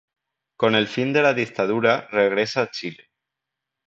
Con el fin de la dictadura, regresa a Chile.